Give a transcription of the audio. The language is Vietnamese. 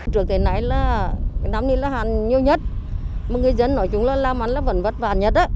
trước đây nãy là năm nay là hạn nhiều nhất mà người dân nói chúng là làm ăn là vẫn vất vả nhất á